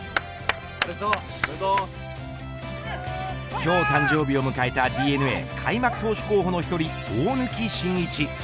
今日、誕生日を迎えたＤｅＮＡ開幕投手候補の１人大貫晋一。